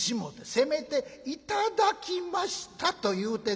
せめて『いただきました』と言うてくれ」。